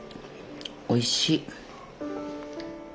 おいしい。